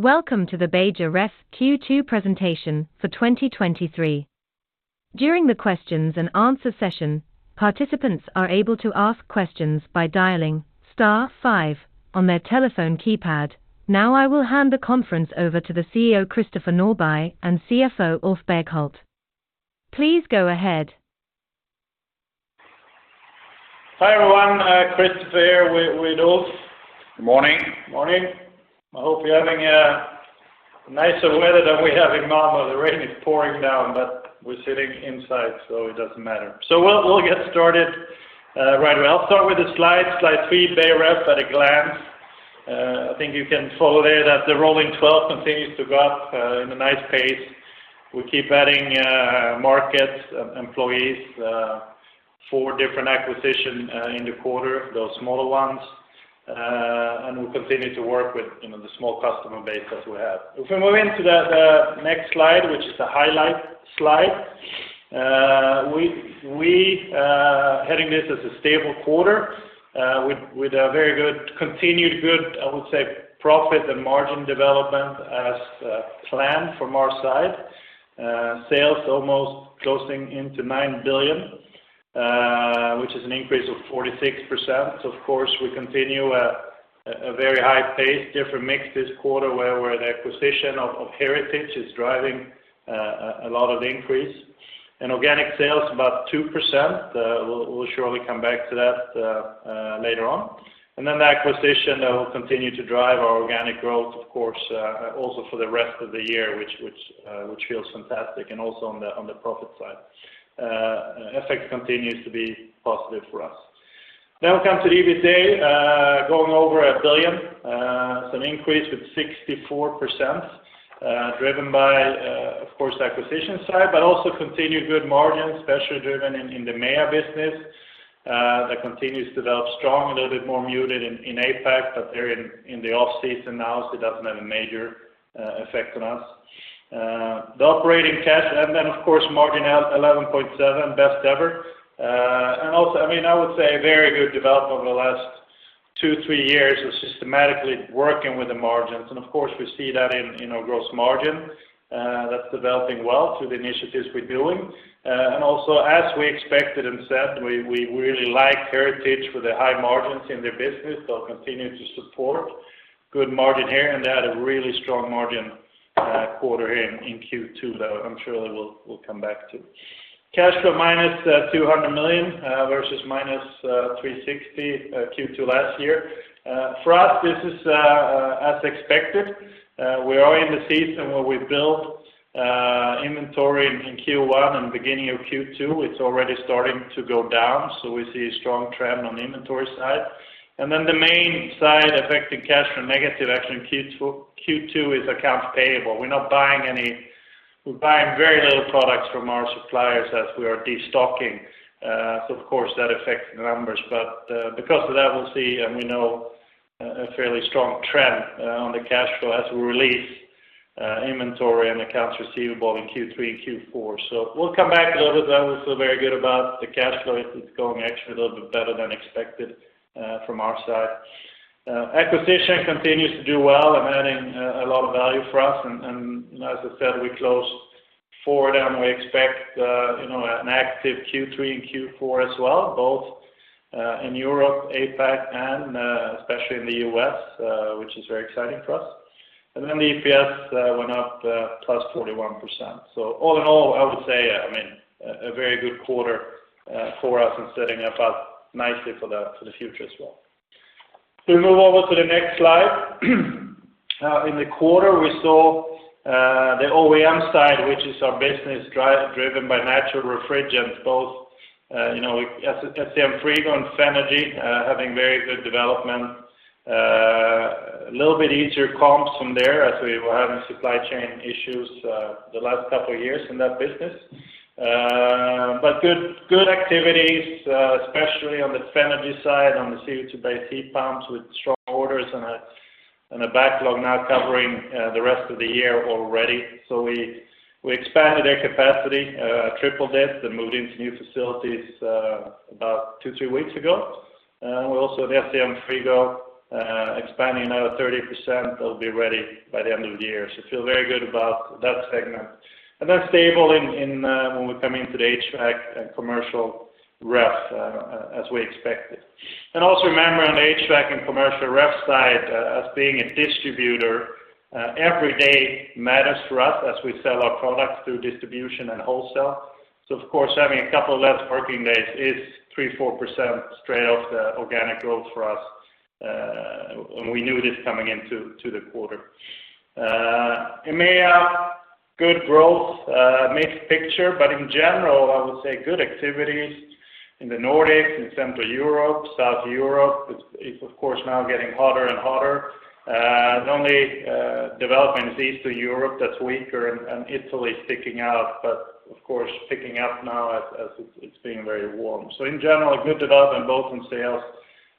Welcome to the Beijer Ref Q2 presentation for 2023. During the questions and answer session, participants are able to ask questions by dialing star five on their telephone keypad. I will hand the conference over to the CEO, Christopher Norbye, and CFO, Ulf Berghult. Please go ahead. Hi, everyone, Christopher here with Ulf. Good morning. Morning. I hope you're having a nicer weather than we have in Malmö. The rain is pouring down, but we're sitting inside, so it doesn't matter. We'll get started right away. I'll start with the slide. Slide three, Beijer Ref at a glance. I think you can follow there that the rolling 12 continues to go up in a nice pace. We keep adding markets, employees, four different acquisitions in the quarter, those smaller ones. And we continue to work with, you know, the small customer base that we have. We move into the next slide, which is the highlight slide, we, heading this as a stable quarter with continued good, I would say, profit and margin development as planned from our side. Sales almost closing into 9 billion, which is an increase of 46%. Of course, we continue a very high pace, different mix this quarter, where the acquisition of Heritage is driving a lot of the increase. Organic sales, about 2%. We will surely come back to that later on. The acquisition that will continue to drive our organic growth, of course, also for the rest of the year, which feels fantastic, and also on the profit side. FX effect continues to be positive for us. We come to the EBITA, going over 1 billion. It's an increase with 64%, driven by, of course, the acquisition side, but also continued good margins, especially driven in the MEA business that continues to develop strong. A little bit more muted in APAC, but they're in the off-season now, so it doesn't have a major effect on us. The operating cash, and of course, margin at 11.7%, best ever. Also, I mean, I would say a very good development over the last two years, three years of systematically working with the margins. Of course, we see that in our gross margin that's developing well through the initiatives we're doing. Also, as we expected and said, we really like Heritage for the high margins in their business. They'll continue to support good margin here, and they had a really strong margin quarter here in Q2 that I'm sure we'll come back to. Cash flow minus 200 million versus minus 360 million Q2 last year. For us, this is as expected. We are in the season where we build inventory in Q1 and beginning of Q2. It's already starting to go down. We see a strong trend on the inventory side. The main side affecting cash from negative actually in Q2 is accounts payable. We're not buying very little products from our suppliers as we are destocking. Of course, that affects the numbers. Because of that, we'll see, and we know, a fairly strong trend on the cash flow as we release inventory and accounts receivable in Q3 and Q4. We'll come back a little bit, though. We feel very good about the cash flow. It's going actually a little bit better than expected from our side. Acquisition continues to do well and adding a lot of value for us. As I said, we closed four down, and we expect, you know, an active Q3 and Q4 as well, both in Europe, APAC, and especially in the U.S, which is very exciting for us. The EPS went up +41%. All in all, I would say, I mean, a very good quarter for us and setting us up nicely for the future as well. We move over to the next slide. In the quarter, we saw the OEM side, which is our business drive, driven by natural refrigerants, both, you know, SCM Frigo and Fenerge, having very good development. A little bit easier comps from there as we were having supply chain issues the last two years in that business. But good activities, especially on the Fenerge side, on the CO2-based heat pumps, with strong orders and a backlog now covering the rest of the year already. We expanded their capacity, tripled it, and moved into new facilities about two weeks-three weeks ago. We also have the FCM Frigo, expanding another 30%. They'll be ready by the end of the year. Feel very good about that segment. Stable in when we come into the HVAC and commercial ref, as we expected. Also remember, on the HVAC and commercial ref side, as being a distributor, every day matters for us as we sell our products through distribution and wholesale. Of course, having a couple of less working days is 3%-4% straight off the organic growth for us, and we knew this coming into, to the quarter. In MEA, good growth, mixed picture, but in general, I would say good activities in the Nordics, in Central Europe, South Europe. It's of course now getting hotter and hotter. The only development is Eastern Europe, that's weaker and Italy sticking out, of course, picking up now as it's being very warm. In general, good development both in sales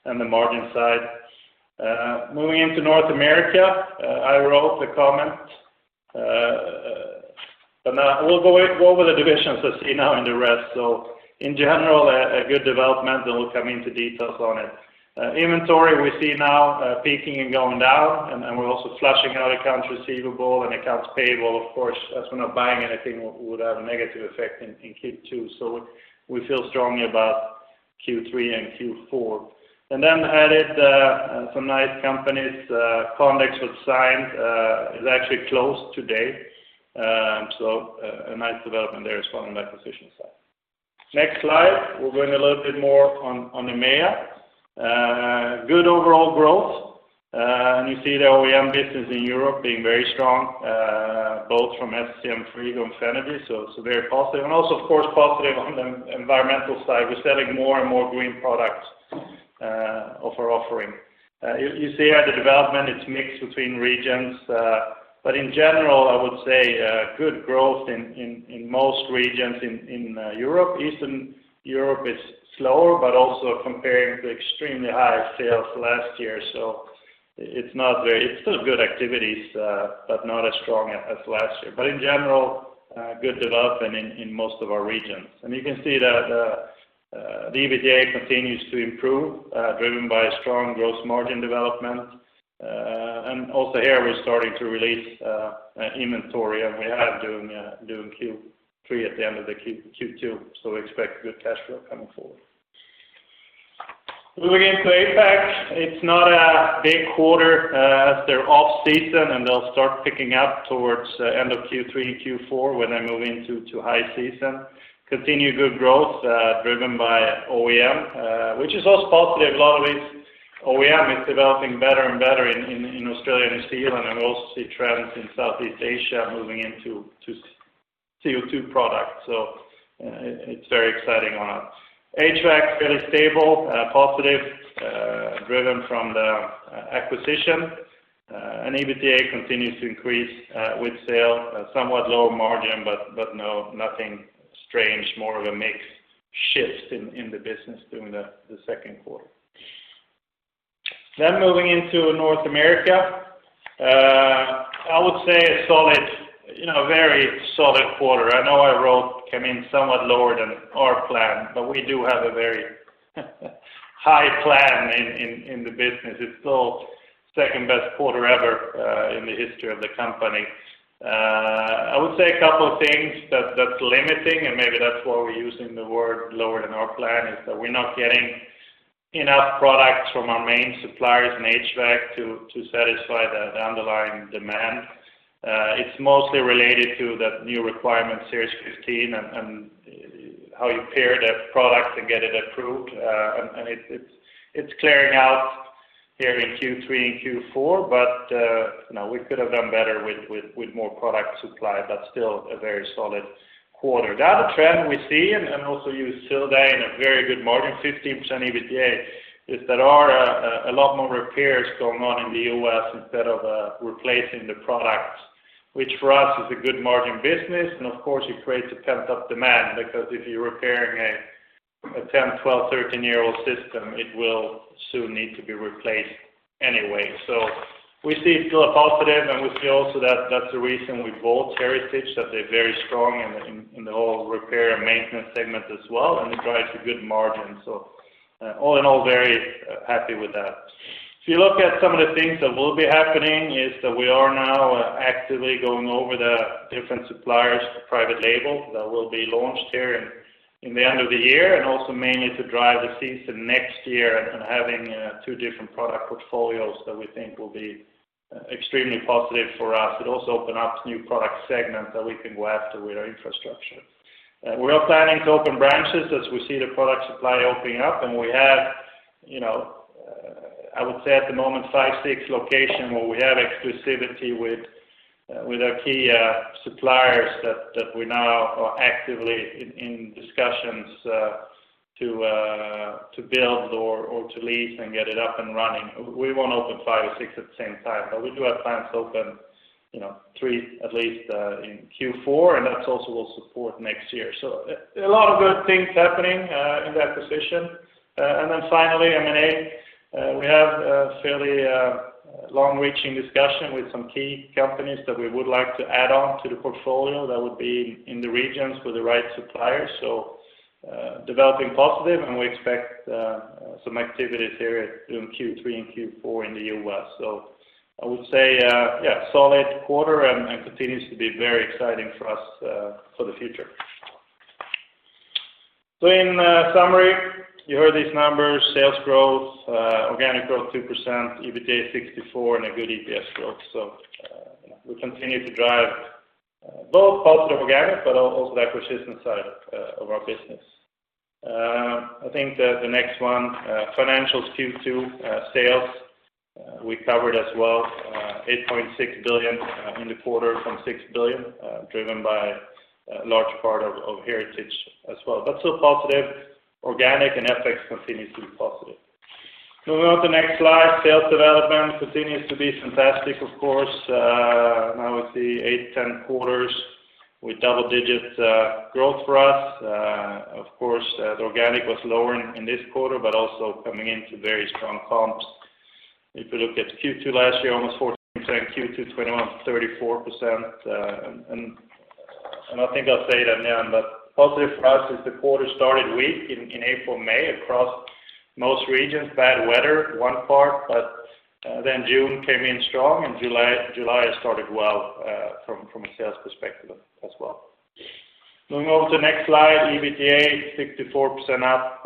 and the margin side. Moving into North America, I wrote the comment. We'll go over the divisions as see now in the rest. In general, a good development, we'll come into details on it. Inventory we see now peaking and going down, we're also flushing out accounts receivable and accounts payable. Of course, as we're not buying anything, would have a negative effect in Q2, we feel strongly about Q3 and Q4. Added some nice companies, Condex was signed, is actually closed today. A nice development there as well on the acquisition side. Next slide, we'll go in a little bit more on EMEA. Good overall growth. You see the OEM business in Europe being very strong, both from SCM Frigo and Fenerge, so it's very positive. Also, of course, positive on the environmental side. We're selling more and more green products of our offering. You see how the development, it's mixed between regions, in general, I would say, good growth in most regions in Europe. Eastern Europe is slower, but also comparing to extremely high sales last year. It's not very. It's still good activities, but not as strong as last year. In general, good development in most of our regions. You can see that the EBITDA continues to improve, driven by strong growth margin development. Also here, we're starting to release inventory, and we are doing Q3 at the end of Q2, so we expect good cash flow coming forward. Moving into APAC, it's not a big quarter, as they're off-season, and they'll start picking up towards the end of Q3, Q4, when they move into high season. Continue good growth, driven by OEM, which is also positive. A lot of these OEM is developing better and better in Australia and New Zealand, and we also see trends in Southeast Asia moving into CO2 products. It's very exciting one. HVAC, fairly stable, positive, driven from the acquisition. EBITDA continues to increase, with sale, somewhat lower margin, but no, nothing strange, more of a mix shift in the business during the Q2. Moving into North America, I would say a solid, you know, very solid quarter. I know I wrote, came in somewhat lower than our plan, but we do have a very high plan in the business. It's still second-best quarter ever in the history of the company. I would say a couple of things that's limiting, and maybe that's why we're using the word lower than our plan, is that we're not getting enough products from our main suppliers in HVAC to satisfy the underlying demand. It's mostly related to the new requirement, SEER 15, and how you pair the product and get it approved. It's, it's clearing out here in Q3 and Q4. You know, we could have done better with, with more product supply, but still a very solid quarter. The other trend we see, also use Silvair in a very good margin, 15% EBITDA, is there are a lot more repairs going on in the U.S. instead of replacing the products, which for us is a good margin business. Of course, it creates a pent-up demand, because if you're repairing a 10-year-old system, 12- year-old system, 13-year-old system, it will soon need to be replaced anyway. We see it still a positive, and we see also that that's the reason we bought Heritage, that they're very strong in the whole repair and maintenance segment as well, and it drives a good margin. All in all, very happy with that. If you look at some of the things that will be happening, is that we are now actively going over the different suppliers to private label. That will be launched here in the end of the year, and also mainly to drive the season next year and having two different product portfolios that we think will be extremely positive for us. It also open ups new product segments that we can go after with our infrastructure. We are planning to open branches as we see the product supply opening up, and we have, you know, I would say at the moment, five, six location where we have exclusivity with our key suppliers that we now are actively in discussions to build or to lease and get it up and running. We won't open five or six at the same time, but we do have plans to open, you know, three, at least, in Q4, and that's also will support next year. A lot of good things happening in that position. Finally, M&A. We have a fairly long-reaching discussion with some key companies that we would like to add on to the portfolio. That would be in the regions with the right suppliers. Developing positive, and we expect some activities here in Q3 and Q4 in the U.S. I would say, yeah, solid quarter and continues to be very exciting for us for the future. In summary, you heard these numbers, sales growth, organic growth, 2%, EBITDA, 64%, and a good EPS growth. We continue to drive both positive organic, but also the acquisition side of our business. I think that the next one, financials Q2, sales we covered as well, 8.6 billion in the quarter from 6 billion, driven by a large part of Heritage as well. Still positive, organic and FX continues to be positive. Moving on to the next slide, sales development continues to be fantastic, of course. Now we see eight quarters, 10 quarters with double-digit growth for us. Of course, the organic was lower in this quarter, but also coming into very strong comps. If you look at Q2 last year, almost 14%, Q2 2021, 34%. I think I'll say that again, but positive for us is the quarter started weak in April, May, across most regions, bad weather, one part, but then June came in strong, and July started well from a sales perspective as well. Moving over to the next slide, EBITDA, 64% up,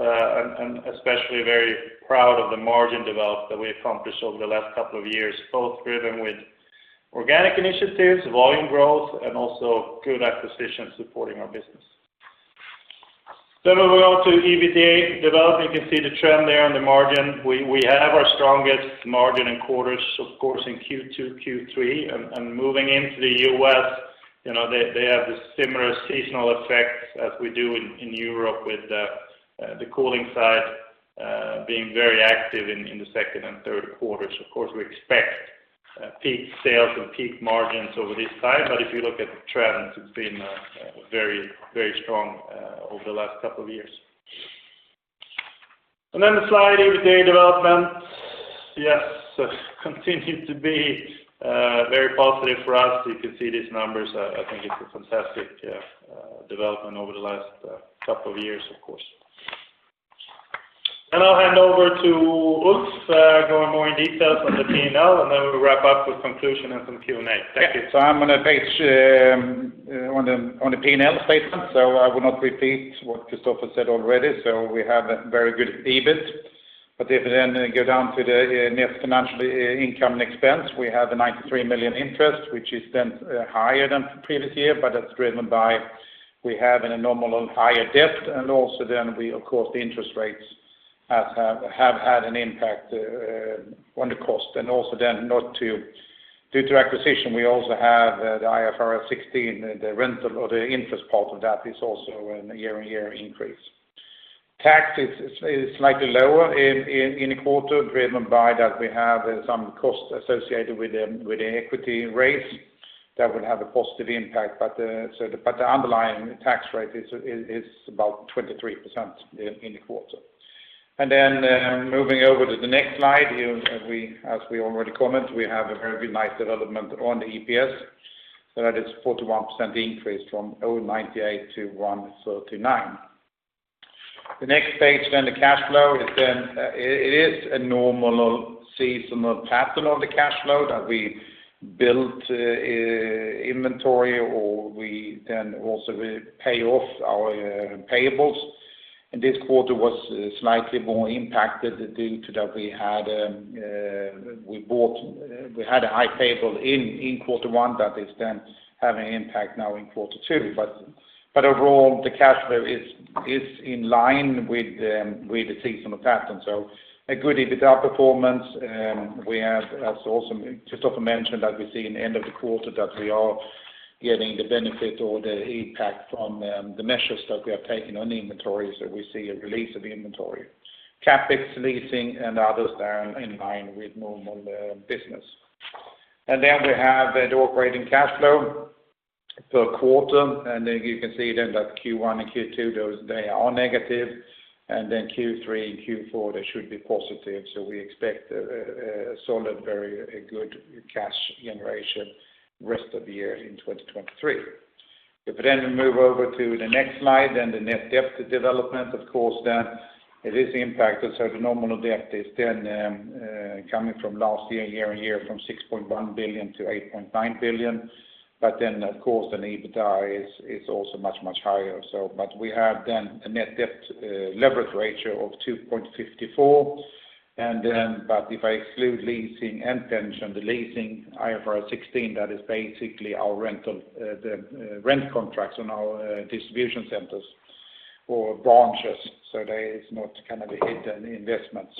and especially very proud of the margin development that we accomplished over the last couple of years, both driven with organic initiatives, volume growth, and also good acquisitions supporting our business. Moving on to EBITDA development, you can see the trend there on the margin. We have our strongest margin in quarters, of course, in Q2, Q3, and moving into the U.S, you know, they have the similar seasonal effects as we do in Europe with the cooling side being very active in the Q2 and Q3. Of course, we expect peak sales and peak margins over this side, but if you look at the trends, it's been very, very strong over the last couple of years. Another slide, EBITDA development. Yes, continued to be very positive for us. You can see these numbers. I think it's a fantastic development over the last couple of years, of course. I'll hand over to Ulf, go in more in details on the P&L, and then we'll wrap up with conclusion and some Q&A. Thank you. I'm going to page on the P&L statement. I will not repeat what Christopher said already. We have a very good EBIT. If we go down to the net financial income and expense, we have a 93 million interest, which is higher than previous year. That's driven by we have a normal higher debt, and also we, of course, the interest rates have had an impact on the cost. Due to acquisition, we also have the IFRS 16, the rental or the interest part of that is also a year-on-year increase. Tax is slightly lower in the quarter, driven by that we have some costs associated with the equity raise that would have a positive impact, but the underlying tax rate is about 23% in the quarter. Moving over to the next slide, here, we, as we already comment, we have a very nice development on the EPS, so that is 41% increase from 0.98-1.39. The next page, the cash flow is a normal seasonal pattern of the cash flow, that we built inventory, or we also we pay off our payables. This quarter was slightly more impacted due to that we had a high payable in Q1, that is then having an impact now in Q2. Overall, the cash flow is in line with the seasonal pattern. A good EBITDA performance, we have also, Christopher mentioned that we see in the end of the quarter that we are getting the benefit or the impact from the measures that we have taken on the inventory, so we see a release of the inventory. CapEx, leasing, and others, they are in line with normal business. We have the operating cash flow per quarter, and then you can see then that Q1 and Q2, they are negative, and then Q3 and Q4, they should be positive. We expect very a good cash generation rest of the year in 2023. If we then move over to the next slide, then the net debt development, of course, then it is impacted, so the normal debt is then coming from last year and year, from 6.1 billion-8.9 billion. Of course, the EBITDA is also much higher. We have then a net debt leverage ratio of 2.54, and then, but if I exclude leasing and pension, the leasing IFRS 16, that is basically our rental, the rent contracts on our distribution centers or branches, so there is not going to be hidden investments.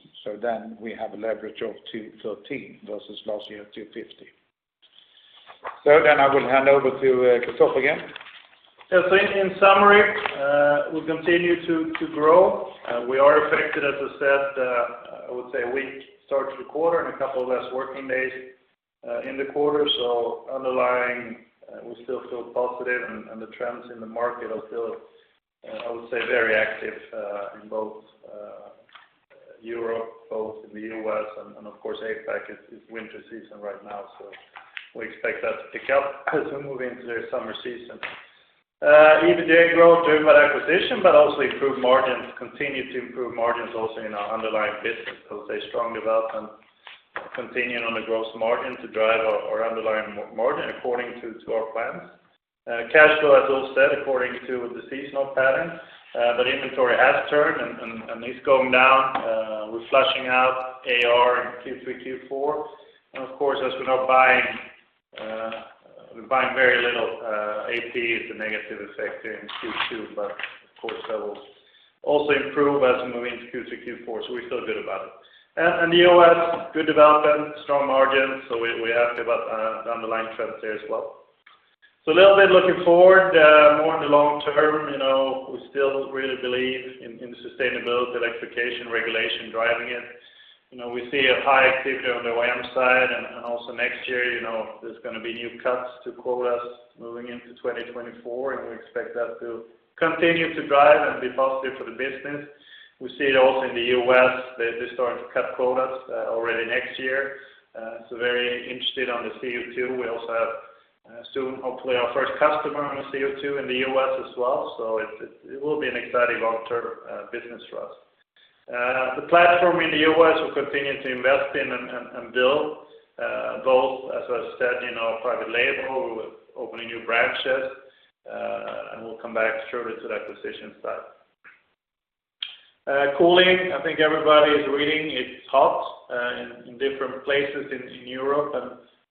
We have a leverage of 2.13 versus last year, 2.50. I will hand over to Christopher again. Yeah, in summary, we continue to grow. We are affected, as I said, I would say a weak start to the quarter and a couple of less working days in the quarter. Underlying, we still feel positive, and the trends in the market are still, I would say, very active in both Europe, both in the U.S. and of course, APAC is winter season right now, so we expect that to pick up as we move into the summer season. EBITDA growth driven by acquisition, but also improved margins, continue to improve margins also in our underlying business. I would say strong development, continuing on the gross margin to drive our underlying margin according to our plans. Cash flow, as Ulf said, according to the seasonal pattern, but inventory has turned and is going down. We're flushing out AR in Q3, Q4. Of course, as we're now buying, we're buying very little, AP is a negative effect in Q2, but of course, that will also improve as we move into Q3, Q4. We feel good about it. The U.S., good development, strong margins, we're happy about the underlying trends there as well. A little bit looking forward, more in the long term, you know, we still really believe in sustainability, electrification, regulation, driving it. You know, we see a high activity. side. Also next year, you know, there's gonna be new cuts to quotas moving into 2024. We expect that to continue to drive and be positive for the business. We see it also in the U.S., they're starting to cut quotas already next year. Very interested on the CO2. We also have soon, hopefully, our first customer on the CO2 in the U.S. as well. It will be an exciting long-term business for us. The platform in the U.S. we'll continue to invest in and build, both, as I said, you know, private label. We will open new branches, and we'll come back shortly to the acquisition side. Cooling, I think everybody is reading, it's hot in different places in Europe.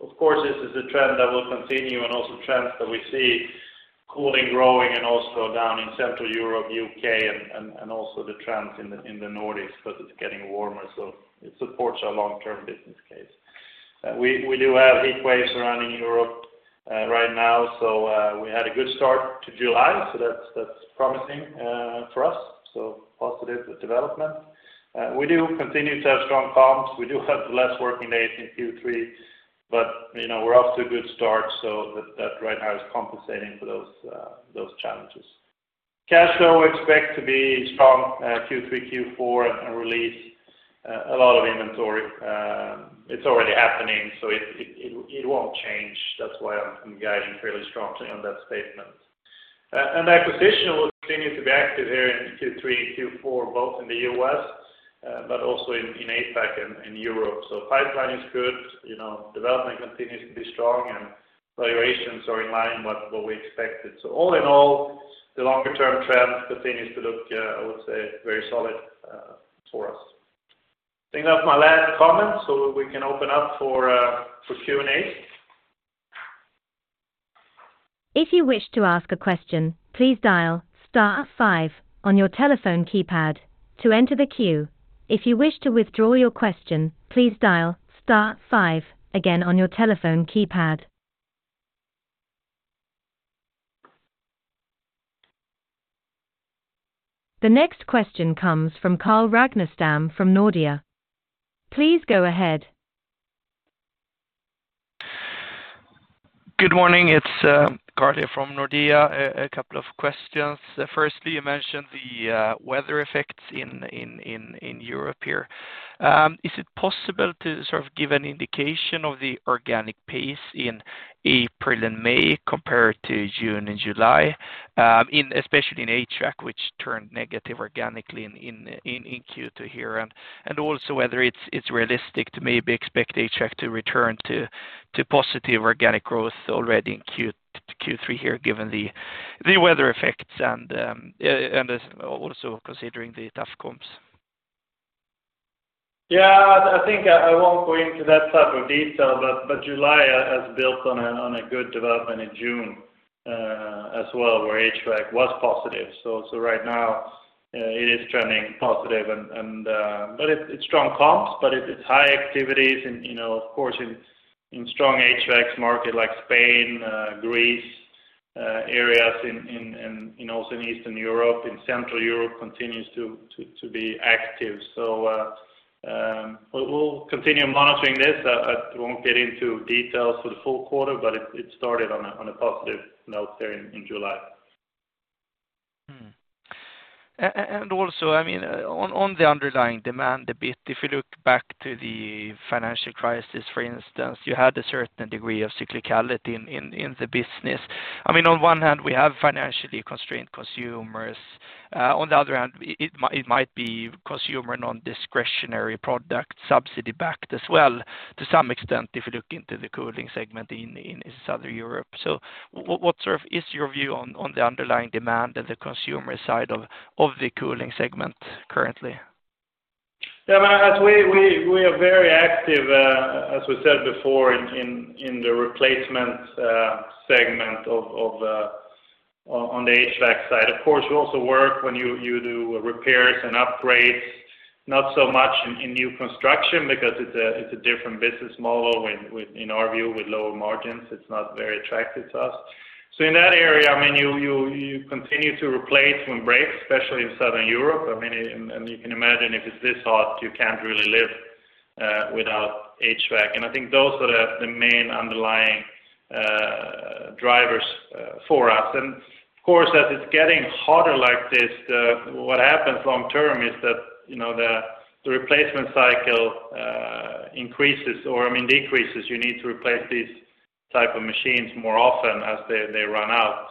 Of course, this is a trend that will continue and also trends that we see cooling, growing, and also down in Central Europe, UK, and also the trends in the Nordics, because it's getting warmer, so it supports our long-term business case. We do have heat waves surrounding Europe right now, so we had a good start to July, so that's promising for us, so positive development. We do continue to have strong comps. We do have less working days in Q3, but, you know, we're off to a good start, so that right now is compensating for those challenges. Cash flow, expect to be strong Q3, Q4, and release a lot of inventory. It's already happening, so it won't change. That's why I'm guiding fairly strongly on that statement. Acquisition will continue to be active here in Q3, Q4, both in the U.S., but also in APAC and in Europe. Pipeline is good, you know, development continues to be strong, and valuations are in line with what we expected. All in all, the longer-term trend continues to look, I would say, very solid for us. I think that's my last comment. We can open up for Q&A. If you wish to ask a question, please dial star five on your telephone keypad to enter the queue. If you wish to withdraw your question, please dial star five again on your telephone keypad. The next question comes from Carl Ragnerstam from Nordea. Please go ahead. Good morning, it's Carl here from Nordea. A couple of questions. Firstly, you mentioned the weather effects in Europe here. Is it possible to sort of give an indication of the organic pace in April and May compared to June and July? In especially in HVAC, which turned negative organically in Q2 here, and also whether it's realistic to maybe expect HVAC to return to positive organic growth already in Q3 here, given the weather effects and also considering the tough comps? I think I won't go into that type of detail, but July has built on a good development in June, as well, where HVAC was positive. Right now, it is trending positive and, but it's strong comps, but it's high activities and, you know, of course, in strong HVAC market like Spain, Greece, areas in, you know, also in Eastern Europe, in Central Europe continues to be active. We'll continue monitoring this. I won't get into details for the full quarter, but it started on a positive note there in July. And also, I mean, on the underlying demand a bit, if you look back to the financial crisis, for instance, you had a certain degree of cyclicality in the business. I mean, on one hand, we have financially constrained consumers. On the other hand, it might be consumer non-discretionary product, subsidy-backed as well, to some extent, if you look into the cooling segment in Southern Europe. What sort of is your view on the underlying demand and the consumer side of the cooling segment currently? Yeah, as we are very active, as we said before, in the replacement segment of the HVAC side. Of course, we also work when you do repairs and upgrades, not so much in new construction because it's a different business model with in our view, with lower margins, it's not very attractive to us. In that area, I mean, you continue to replace when breaks, especially in Southern Europe. I mean, and you can imagine if it's this hot, you can't really live without HVAC. I think those are the main underlying drivers for us. Of course, as it's getting hotter like this, what happens long term is that, you know, the replacement cycle increases, or I mean, decreases. You need to replace these type of machines more often as they run out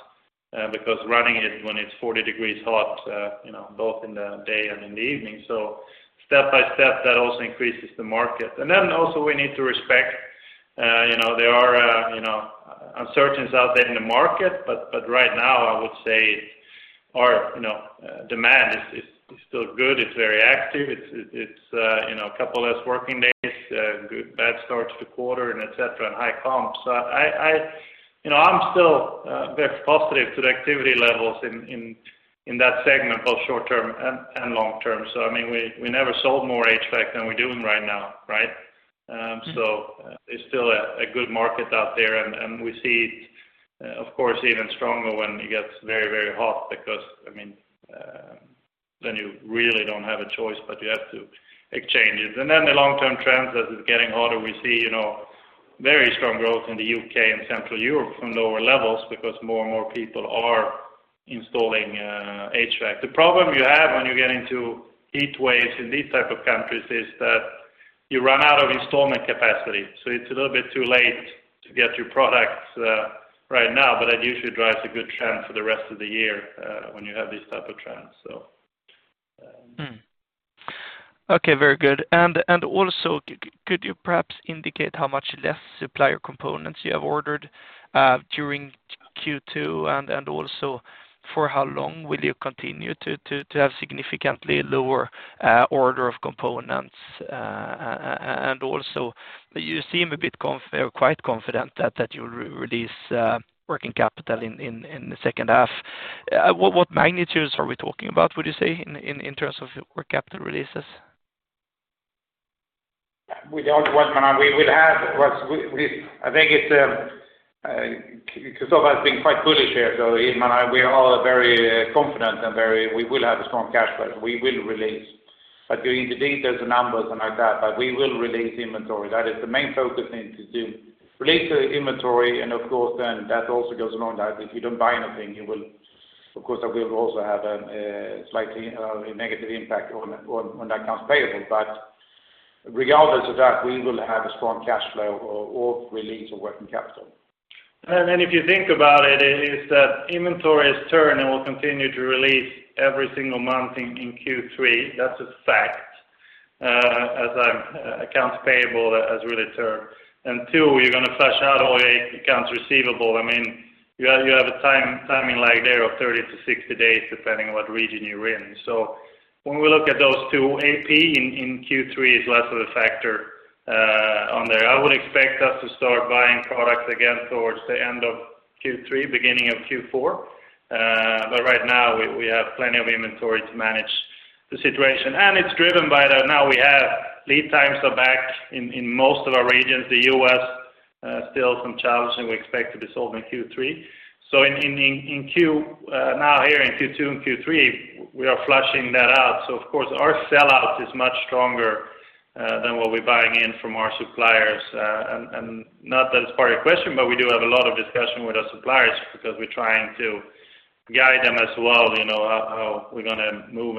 because running it when it's 40 degrees hot, you know, both in the day and in the evening. Step by step, that also increases the market. Then also we need to respect, you know, there are, you know, uncertainties out there in the market, but right now, I would say or, you know, demand is still good, it's very active. It's, you know, a couple less working days, good, bad start to the quarter and et cetera, and high comps. I, you know, I'm still very positive to the activity levels in that segment, both short term and long term. I mean, we never sold more HVAC than we're doing right now, right? It's still a good market out there, and we see it, of course, even stronger when it gets very hot, because, I mean. You really don't have a choice, but you have to exchange it. The long-term trend as it's getting hotter, we see, you know, very strong growth in the UK and Central Europe from lower levels because more and more people are installing HVAC. The problem you have when you get into heat waves in these type of countries is that you run out of installment capacity, so it's a little bit too late to get your products right now, but it usually drives a good trend for the rest of the year when you have these type of trends. Okay, very good. Also, could you perhaps indicate how much less supplier components you have ordered during Q2? Also, for how long will you continue to have significantly lower order of components? Also, you seem quite confident that you'll re-release working capital in the second half. What magnitudes are we talking about, would you say, in terms of working capital releases? We don't, well, I mean, we will have, what's we, I think it's because Kristoffer has been quite bullish here, so even I, we are all very confident and very, we will have a strong cash flow. We will release, but going into details and numbers and like that, but we will release inventory. That is the main focus need to do. Release the inventory, and of course, then that also goes along that if you don't buy anything, you will, of course, that will also have slightly a negative impact on accounts payable. Regardless of that, we will have a strong cash flow or release of working capital. If you think about it, is that inventory is turned and will continue to release every single month in Q3. That's a fact, as accounts payable has really turned. Two, you're gonna flush out all the accounts receivable. I mean, you have a timing lag there of 30 days-60 days, depending on what region you're in. When we look at those two, AP in Q3 is less of a factor on there. I would expect us to start buying products again towards the end of Q3, beginning of Q4. Right now we have plenty of inventory to manage the situation. It's driven by the, now we have lead times are back in most of our regions, the U.S., still some challenges, and we expect to be sold in Q3. In Q2 and Q3, we are flushing that out. Of course, our sell-out is much stronger than what we're buying in from our suppliers. Not that it's part of your question, but we do have a lot of discussion with our suppliers because we're trying to guide them as well, you know, how we're gonna move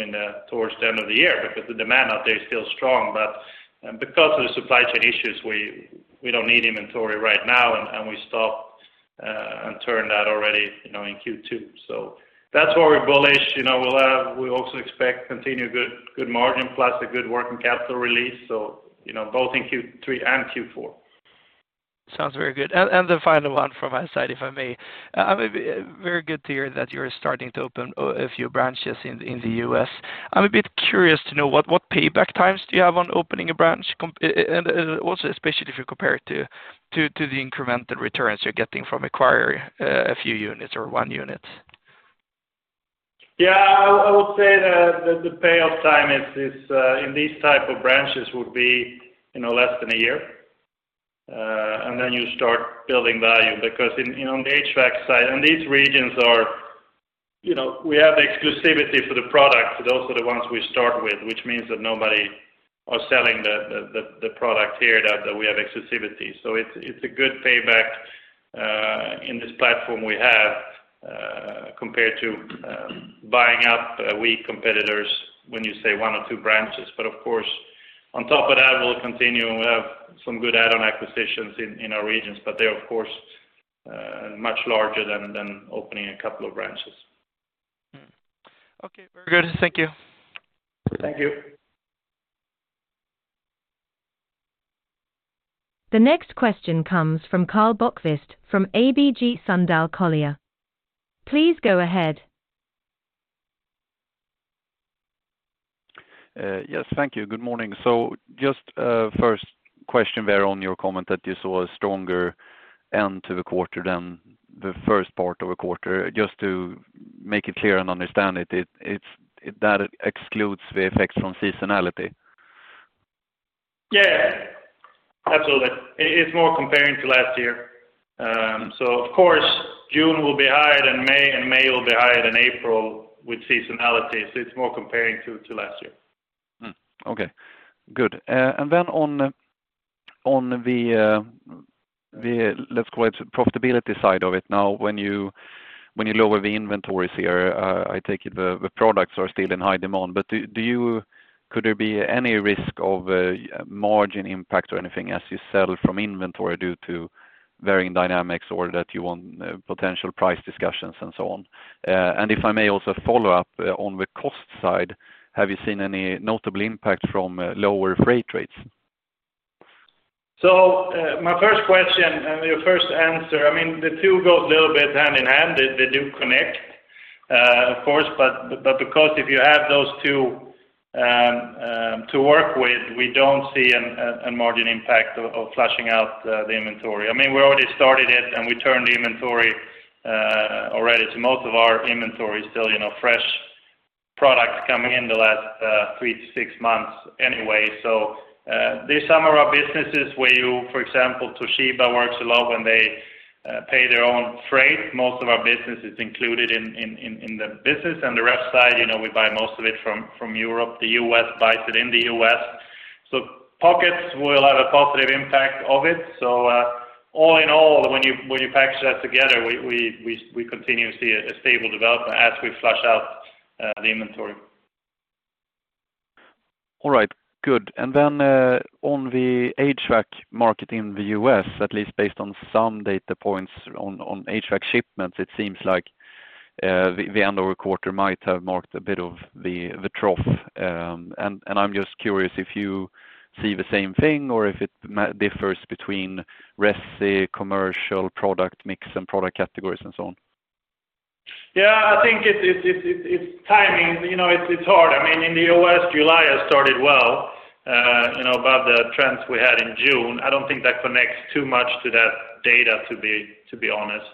towards the end of the year, because the demand out there is still strong. Because of the supply chain issues, we don't need inventory right now, and we stopped and turned that already, you know, in Q2. That's why we're bullish. You know, we'll have, we also expect continued good margin, plus a good working capital release, so, you know, both in Q3 and Q4. Sounds very good. The final one from my side, if I may. Very good to hear that you're starting to open a few branches in the U.S. I'm a bit curious to know what payback times do you have on opening a branch? Also, especially if you compare it to the incremental returns you're getting from acquire a few units or 1 unit. I would say that the payoff time is in these type of branches would be, you know, less than a year. Then you start building value because in, you know, on the HVAC side, and these regions are, you know, we have exclusivity for the product. Those are the ones we start with, which means that nobody are selling the product here, that we have exclusivity. It's a good payback in this platform we have compared to buying out weak competitors when you say one or two branches. Of course, on top of that, we'll continue. We have some good add-on acquisitions in our regions, but they're of course, much larger than opening a couple of branches. Okay, very good. Thank you. Thank you. The next question comes from Karl Bokvist from ABG Sundal Collier. Please go ahead. Yes, thank you. Good morning. Just, first question there on your comment that you saw a stronger end to the quarter than the first part of the quarter. Just to make it clear and understand it's, that excludes the effects from seasonality? Yeah, absolutely. It's more comparing to last year. Of course, June will be higher than May, and May will be higher than April with seasonality. It's more comparing to last year. Okay, good. Then on the, on the, let's call it profitability side of it. Now, when you, when you lower the inventories here, I take it the products are still in high demand, but could there be any risk of a margin impact or anything as you sell from inventory due to varying dynamics or that you want, potential price discussions and so on? If I may also follow up, on the cost side, have you seen any notable impact from lower freight rates? My first question and your first answer, I mean, the two go a little bit hand in hand. They do connect, of course, but because if you have those two to work with, we don't see a margin impact of flushing out the inventory. I mean, we already started it, and we turned the inventory already to most of our inventory is still, you know, fresh products coming in the last three months-six months anyway. There are some of our businesses where you, for example, Toshiba works a lot when they pay their own freight. Most of our business is included in the business, and the resi side, you know, we buy most of it from Europe. The U.S buys it in the U.S.. Pockets will have a positive impact of it. All in all, when you patch that together, we continue to see a stable development as we flush out the inventory. All right, good. On the HVAC market in the U.S., at least based on some data points on HVAC shipments, it seems like the end of the quarter might have marked a bit of the trough. I'm just curious if you see the same thing or if it differs between resi, commercial, product mix, and product categories, and so on? Yeah, I think it's timing. You know, it's hard. I mean, in the U.S., July has started well, you know, about the trends we had in June. I don't think that connects too much to that data, to be honest.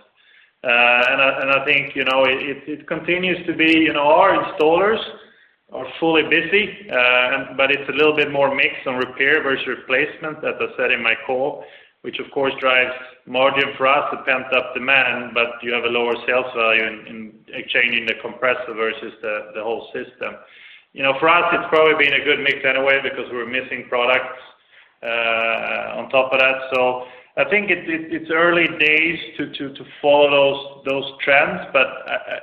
I think, you know, it continues to be, you know, our installers are fully busy, but it's a little bit more mixed on repair versus replacement, as I said in my call, which of course drives margin for us. It pumps up demand, but you have a lower sales value in exchanging the compressor versus the whole system. You know, for us, it's probably been a good mix anyway because we're missing products on top of that. I think it's early days to follow those trends, but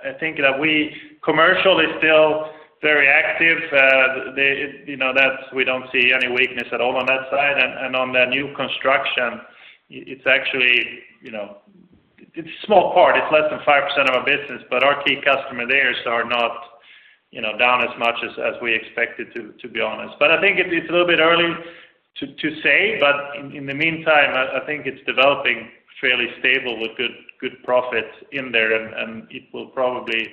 I think that commercial is still very active. The, you know, that's, we don't see any weakness at all on that side. On the new construction, it's actually, you know, it's small part, it's less than 5% of our business, but our key customer there are not, you know, down as much as we expected to be honest. I think it's a little bit early to say, but in the meantime, I think it's developing fairly stable with good profits in there, and it will probably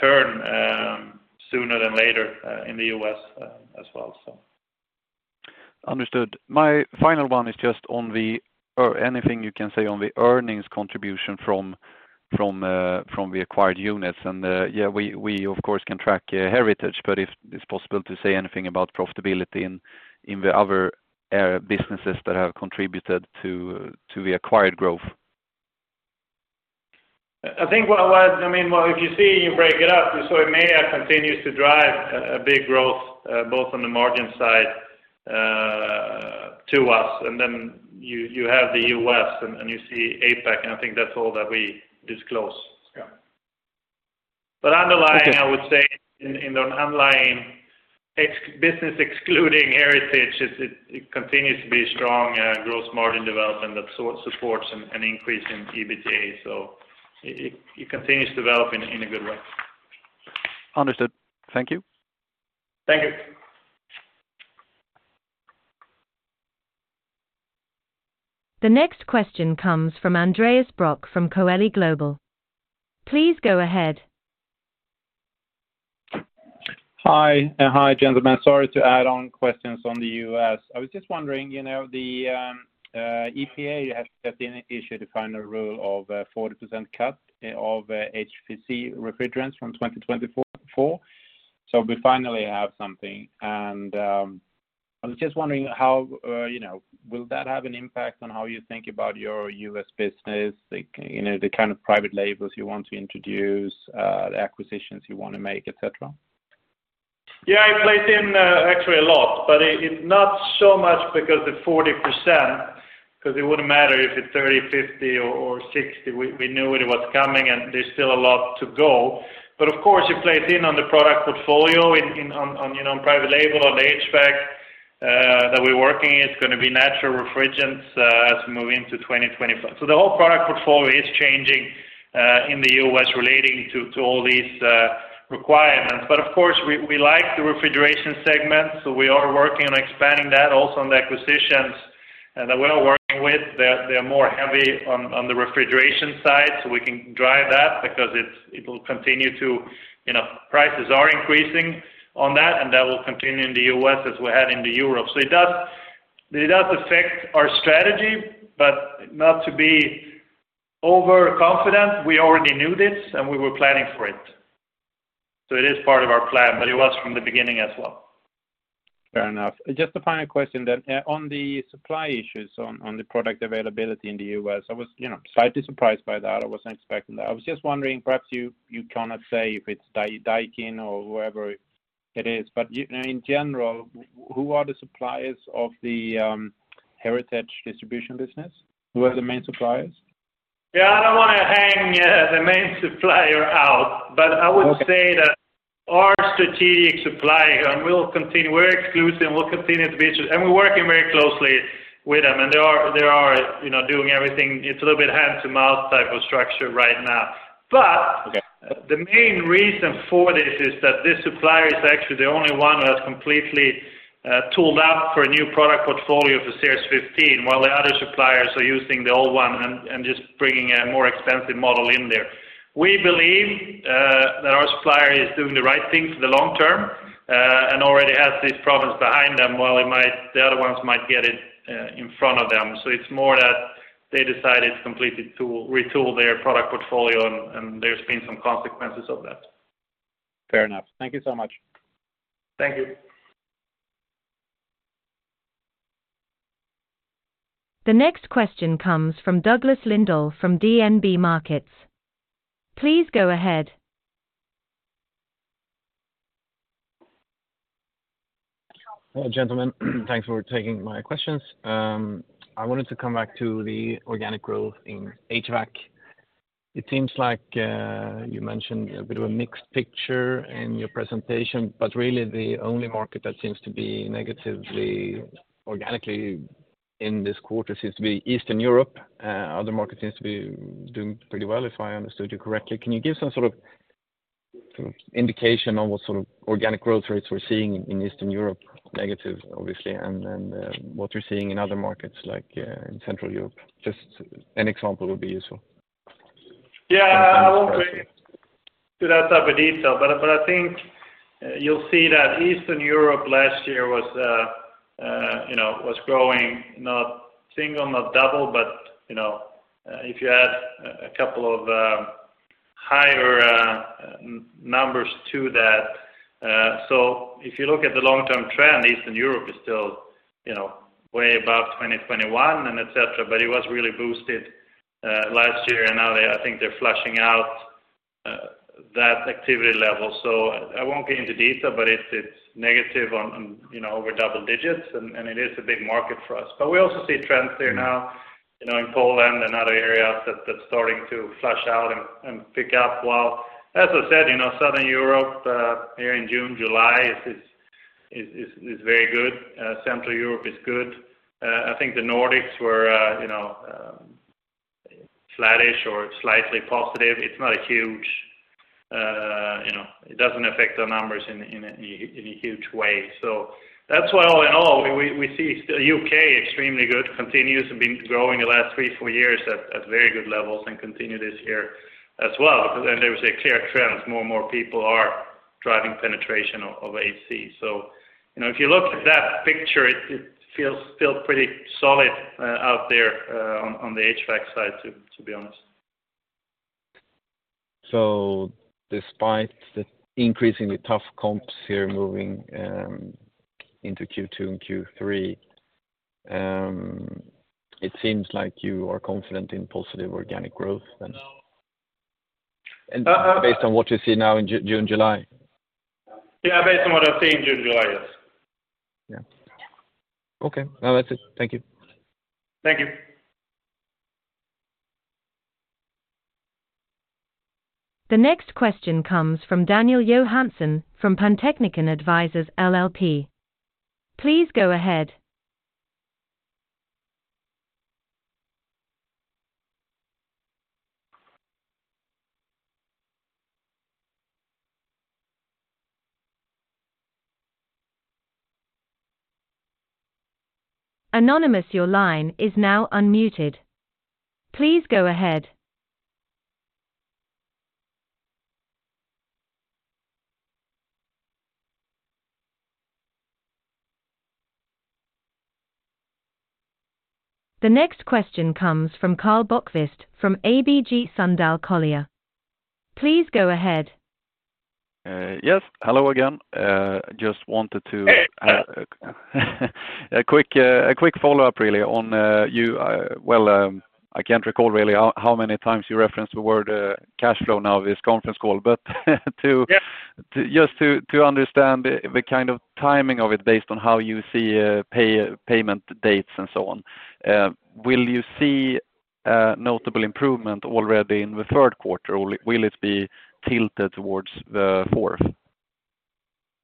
turn sooner than later in the U.S. as well. Understood. My final one is just on the, or anything you can say on the earnings contribution from the acquired units. Yeah, we, of course, can track Heritage, but if it's possible to say anything about profitability in the other businesses that have contributed to the acquired growth. I mean, well, if you see, you break it up, you saw EMEA continues to drive a big growth, both on the margin side, to us. Then you have the U.S., and you see APAC, and I think that's all that we disclose. Yeah. Underlying, I would say in the underlying business, excluding Heritage, it continues to be strong growth margin development that supports an increase in EBITA, it continues to develop in a good way. Understood. Thank you. Thank you. The next question comes from Andreas Brock from Coeli Global. Please go ahead. Hi, gentlemen. Sorry to add on questions on the U.S. I was just wondering, you know, the EPA has set in, issued a final rule of 40% cut of HFC refrigerants from 2024. We finally have something. I was just wondering how, you know, will that have an impact on how you think about your U.S. business? Like, you know, the kind of private labels you want to introduce, the acquisitions you want to make, et cetera? It plays in actually a lot, but it's not so much because the 40%, because it wouldn't matter if it's 30%, 50%, or 60%. We knew it was coming, there's still a lot to go. Of course, it plays in on the product portfolio, on, you know, on private label, on the HVAC that we're working. It's gonna be natural refrigerants as we move into 2025. The whole product portfolio is changing in the U.S. relating to all these requirements. Of course, we like the refrigeration segment, so we are working on expanding that, also on the acquisitions that we are working with. They're more heavy on the refrigeration side, so we can drive that because it will continue to... You know, prices are increasing on that. That will continue in the U.S. as we had in Europe. It does affect our strategy. Not to be overconfident, we already knew this. We were planning for it. It is part of our plan. It was from the beginning as well. Fair enough. Just a final question then. On the supply issues, on the product availability in the U.S., I was, you know, slightly surprised by that. I wasn't expecting that. I was just wondering, perhaps you cannot say if it's Daikin or whoever it is, but, you know, in general, who are the suppliers of the Heritage Distribution business? Who are the main suppliers? Yeah, I don't want to hang the main supplier out. Okay I would say that our strategic supplier, and we'll continue, we're exclusive, and we'll continue to be, and we're working very closely with them, and they are, you know, doing everything. It's a little bit hand-to-mouth type of structure right now. Okay ...the main reason for this is that this supplier is actually the only one that's completely tooled up for a new product portfolio for SEER 15, while the other suppliers are using the old one and just bringing a more expensive model in there. We believe that our supplier is doing the right thing for the long term and already has these problems behind them, while the other ones might get it in front of them. It's more that they decided to completely retool their product portfolio, and there's been some consequences of that. Fair enough. Thank you so much. Thank you. The next question comes from Douglas Lindahl from DNB Markets. Please go ahead. Hello, gentlemen. Thanks for taking my questions. I wanted to come back to the organic growth in HVAC. It seems like, you mentioned a bit of a mixed picture in your presentation, but really the only market that seems to be negatively, organically in this quarter seems to be Eastern Europe. Other markets seems to be doing pretty well, if I understood you correctly. Can you give some sort of indication on what sort of organic growth rates we're seeing in Eastern Europe? Negative, obviously, and what you're seeing in other markets like, in Central Europe. Just an example would be useful. Yeah, I won't be to that type of detail, but I think you'll see that Eastern Europe last year was, you know, was growing, not single, not double, but, you know, if you add a couple of higher numbers to that. If you look at the long-term trend, Eastern Europe is still, you know, way above 2021 and et cetera, but it was really boosted last year, and now I think they're flushing out that activity level. I won't get into detail, but it's negative on, you know, over double digits, and it is a big market for us. We also see trends there now, you know, in Poland and other areas that's starting to flush out and pick up, while, as I said, you know, Southern Europe, here in June, July, it is very good. Central Europe is good. I think the Nordics were, you know, flattish or slightly positive. It's not a huge, you know, it doesn't affect the numbers in a huge way. That's why all in all, we see UK extremely good, continues to been growing the last three years, four years at very good levels and continue this year as well. There is a clear trend, more and more people are driving penetration of AC. You know, if you look at that picture, it feels still pretty solid, out there, on the HVAC side, to be honest. Despite the increasingly tough comps here moving into Q2 and Q3, it seems like you are confident in positive organic growth then? No. Based on what you see now in June, July? Yeah, based on what I've seen, June, July, yes. Yeah. Okay, now that's it. Thank you. Thank you. The next question comes from Daniel Johansson from Pantechnikon Advisors LLP. Please go ahead. Anonymous, your line is now unmuted. Please go ahead. The next question comes from Karl Bokvist from ABG Sundal Collier. Please go ahead. Yes. Hello again. Just wanted to a quick follow-up, really, on, you, well, I can't recall really how many times you referenced the word, cash flow now, this conference call, but Yes... Just to understand the kind of timing of it based on how you see payment dates and so on. Will you see a notable improvement already in the third quarter, or will it be tilted towards the fourth?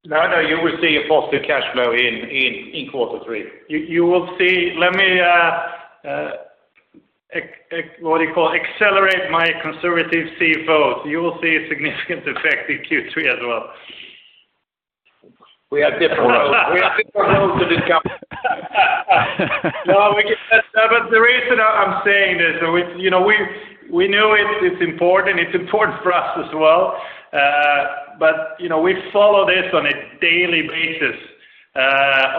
No, no, you will see a positive cash flow in Q3. You will see. Let me, what do you call it? Accelerate my conservative CFO. You will see a significant effect in Q3 as well. We have different roles. We have different roles in this company. The reason I'm saying this, it's, you know, we know it's important. It's important for us as well. You know, we follow this on a daily basis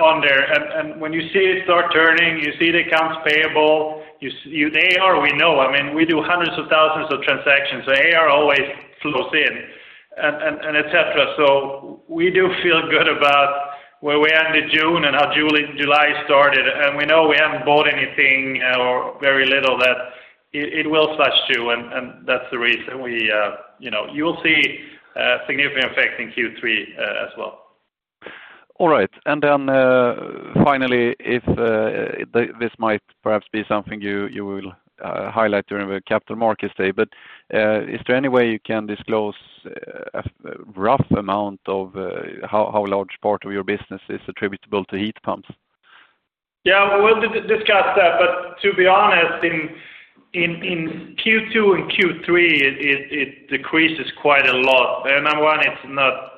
on there, when you see it start turning, you see the accounts payable, we know. I mean, we do hundreds of thousands of transactions, AR always flows in and et cetera. We do feel good about where we ended June and how July started, and we know we haven't bought anything or very little, that it will flush too, and that's the reason we, you know. You will see a significant effect in Q3 as well. All right. Then, finally, if this might perhaps be something you will, highlight during the Capital Markets Day, but, is there any way you can disclose, a rough amount of, how large part of your business is attributable to heat pumps? Yeah, we'll discuss that, but to be honest, in Q2 and Q3, it decreases quite a lot. Number one, it's not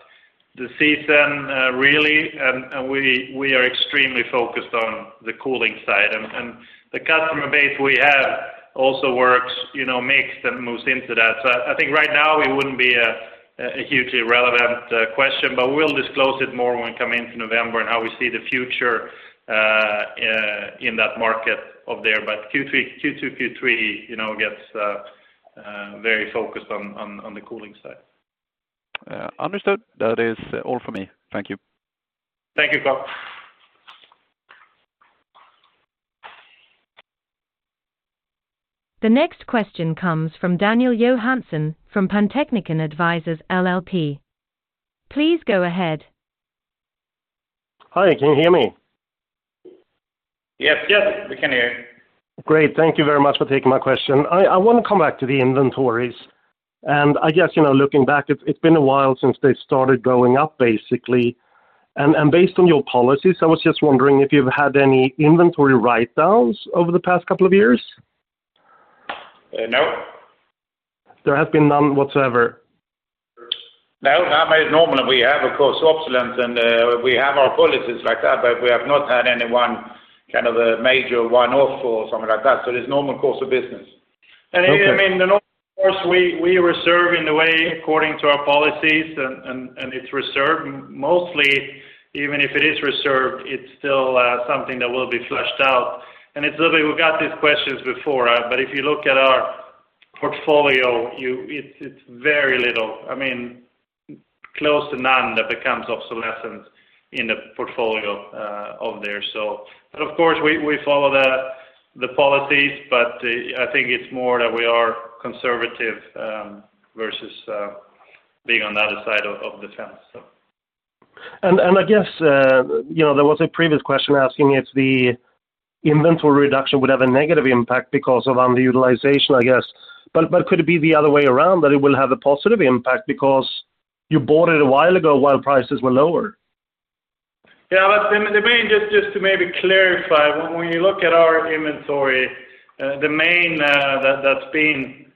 the season, really, and we are extremely focused on the cooling side. The customer base we have also works, you know, mixed and moves into that. I think right now it wouldn't be a hugely relevant question, but we'll disclose it more when we come into November and how we see the future in that market of there. Q3, Q2, Q3, you know, gets very focused on the cooling side. understood. That is all for me. Thank you. Thank you, Karl. The next question comes from Daniel Johansson from Pantechnicon Advisors LLP. Please go ahead. Hi, can you hear me? Yes, yes, we can hear you. Great. Thank you very much for taking my question. I want to come back to the inventories, and I guess, you know, looking back, it's been a while since they started going up, basically. Based on your policies, I was just wondering if you've had any inventory write downs over the past couple of years? No. There have been none whatsoever? No, not very normal. We have, of course, obsolescence, and we have our policies like that. We have not had any one, kind of a major one-off or something like that. It's normal course of business. Okay. I mean, of course, we reserve in the way, according to our policies, and it's reserved. Mostly, even if it is reserved, it's still something that will be flushed out. It's a little bit, we got these questions before, but if you look at our portfolio, it's very little. I mean, close to none that becomes obsolescent in the portfolio of there. Of course, we follow the policies, but I think it's more that we are conservative versus being on the other side of the fence, so. I guess, you know, there was a previous question asking if the inventory reduction would have a negative impact because of underutilization, I guess. Could it be the other way around, that it will have a positive impact because you bought it a while ago, while prices were lower? The main, just to maybe clarify, when you look at our inventory, the main that's been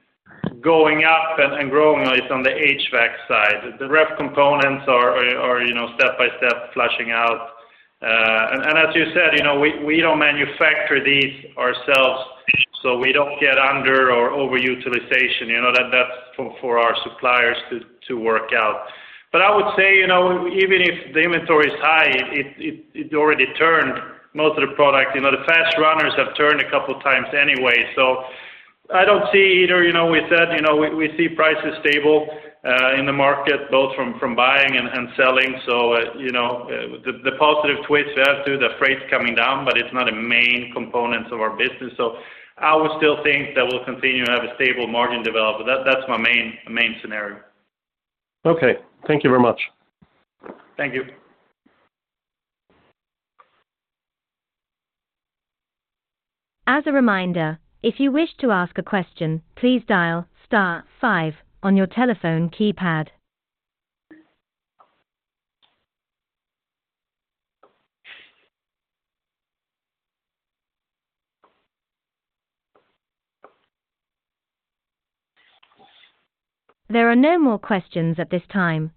going up and growing is on the HVAC side. The ref components are, you know, step-by-step flushing out. As you said, you know, we don't manufacture these ourselves, so we don't get under or overutilization. You know, that's for our suppliers to work out. I would say, you know, even if the inventory is high, it already turned most of the product. You know, the fast runners have turned a couple of times anyway. I don't see either, you know, we said, you know, we see prices stable in the market, both from buying and selling. you know, the positive twist we have to, the freight's coming down, but it's not a main component of our business, so I would still think that we'll continue to have a stable margin development. That's my main scenario. Okay. Thank you very much. Thank you. As a reminder, if you wish to ask a question, please dial star five on your telephone keypad. There are no more questions at this time,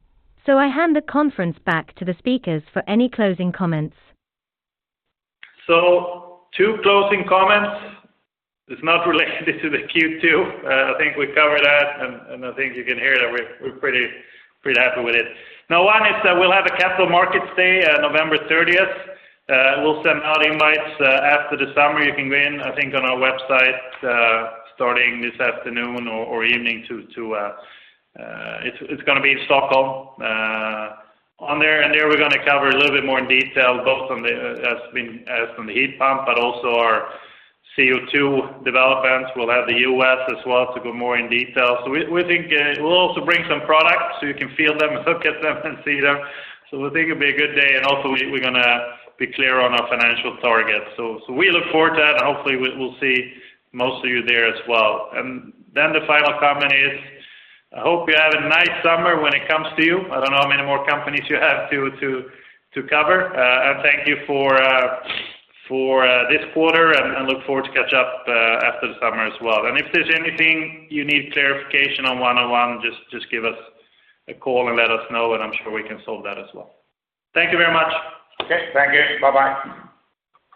I hand the conference back to the speakers for any closing comments. Two closing comments. It's not related to the Q2. I think we covered that, and I think you can hear that we're pretty happy with it. One is that we'll have a capital markets day, November 30th. We'll send out invites after the summer. You can go in, I think, on our website starting this afternoon or evening to. It's going to be in Stockholm on there, and there we're going to cover a little bit more in detail, both on the heat pump, but also our CO2 developments. We'll have the U.S. as well to go more in detail. We think we'll also bring some products, so you can feel them and look at them and see them. We think it'll be a good day, and also we're going to be clear on our financial targets. We look forward to that, and hopefully we'll see most of you there as well. The final comment is, I hope you have a nice summer when it comes to you. I don't know how many more companies you have to cover, and thank you for this quarter and look forward to catch up after the summer as well. If there's anything you need clarification on one-on-one, just give us a call and let us know, and I'm sure we can solve that as well. Thank you very much. Okay. Thank you. Bye-bye.